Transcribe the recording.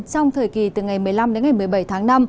trong thời kỳ từ ngày một mươi năm đến ngày một mươi bảy tháng năm